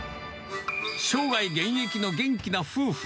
生涯現役の元気な夫婦。